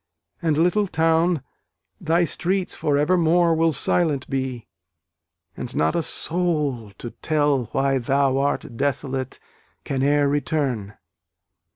And, little town, thy streets for evermore Will silent be; and not a soul to tell Why thou art desolate, can e'er return.